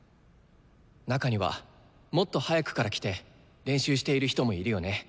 中にはもっと早くから来て練習している人もいるよね。